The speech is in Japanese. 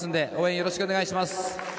よろしくお願いします。